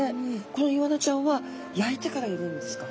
このイワナちゃんは焼いてから入れるんですか？